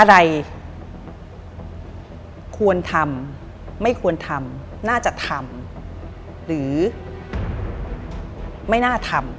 อะไรควรทำไม่ควรทำน่าจะทำหรือไม่น่าทำ